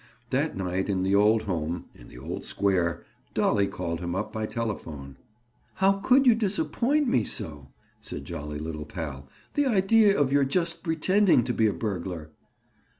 That night, in the old home, in the old square, Dolly called him up by telephone. "How could you disappoint me so!" said jolly little pal. "The idea of your just pretending to be a burglar."